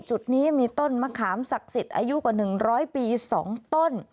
จุดนี้มีต้นมะขามศักดิ์สิทธิ์อายุกว่า๑๐๐ปี๒ต้น